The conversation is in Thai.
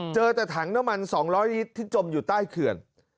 เจอแต่ถังน้ำมัน๒๐๐ลิตรที่จมอยู่ใต้เขื่อน